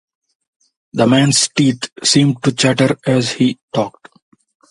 The man’s teeth seemed to chatter as he talked.